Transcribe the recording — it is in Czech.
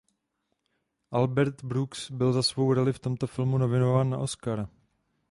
Albert Brooks byl za svou roli v tomto filmu nominován na Oscara.